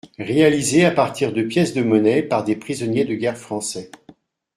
Réalisée à partir de pièces de monnaie par des prisonniers de guerre français.